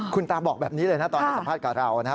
คุณตาบอกแบบนี้เลยนะตอนให้สัมภาษณ์กับเรานะฮะ